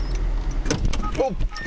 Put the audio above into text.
おっ！